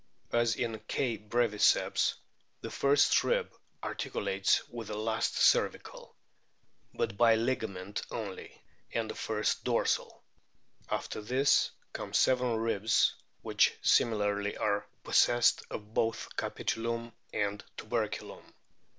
As in K. breviceps the first rib articulates with the last cervical (but by ligament only) and the first dorsal ; after this come seven ribs which similarly are possessed of both capitulum and tuberculum.